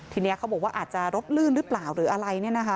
ทีนี้เขาบอกว่าอาจจะรถลื่นหรือเปล่าหรืออะไร